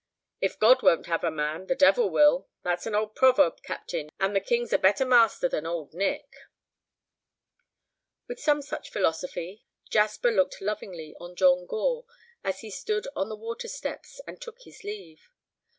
"If God won't have a man, the devil will! That's an old proverb, captain, and the King's a better master than Old Nick." With some such philosophy Jasper looked lovingly on John Gore as he stood on the water steps and took his leave.